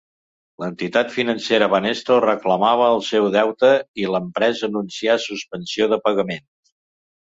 L'entitat financera Banesto reclamava el seu deute i l'empresa anuncià suspensió de pagaments.